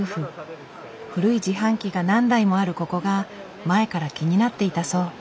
古い自販機が何台もあるここが前から気になっていたそう。